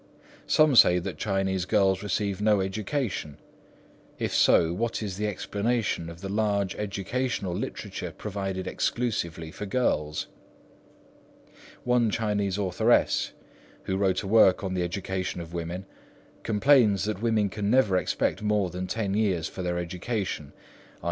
Some say that Chinese girls receive no education. If so, what is the explanation of the large educational literature provided expressly for girls? One Chinese authoress, who wrote a work on the education of women, complains that women can never expect more than ten years for their education, _i.